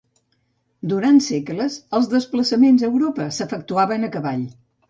Durant segles els desplaçaments a Europa s'efectuaven a cavall.